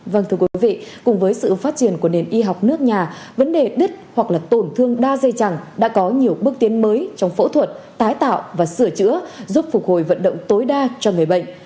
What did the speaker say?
vâng thưa quý vị cùng với sự phát triển của nền y học nước nhà vấn đề đứt hoặc là tổn thương đa dây chẳng đã có nhiều bước tiến mới trong phẫu thuật tái tạo và sửa chữa giúp phục hồi vận động tối đa cho người bệnh